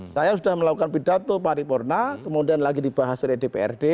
saya sudah melakukan pidato paripurna kemudian lagi dibahas oleh dprd